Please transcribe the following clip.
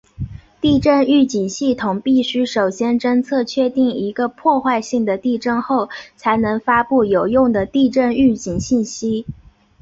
地震预警系统必须首先侦测确定一个破坏性的地震后才能发布有用的地震预警信息。